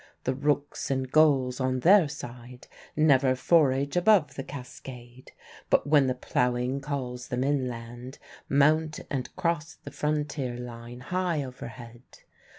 The rooks and gulls, on their side, never forage above the cascade, but when the ploughing calls them inland, mount and cross the frontier line high overhead.